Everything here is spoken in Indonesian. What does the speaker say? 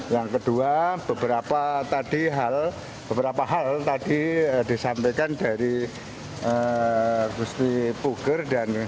yang kedua beberapa hal tadi disampaikan dari gusti buker